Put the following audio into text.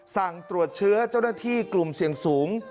สั่งตรวจเชื้อเจ้าหน้าที่กลุ่มเสี่ยงสูง